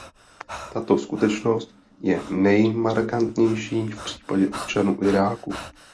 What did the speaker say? Tato skutečnost je nejmarkantnější v případě občanů Iráku.